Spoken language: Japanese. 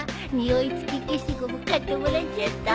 匂い付き消しゴム買ってもらっちゃった。